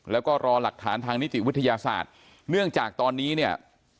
แล้วก็รอหลักฐานทางนิติวิทยาศาสตร์เนื่องจากตอนนี้เนี่ย